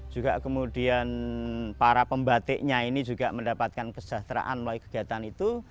juga kemudian para pembatiknya ini juga mendapatkan kesejahteraan melalui kegiatan itu